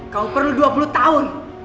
kau perlu dua puluh tahun